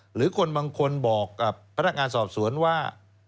หรือคนบางคนบอกกับพนักงานสอบสวนว่า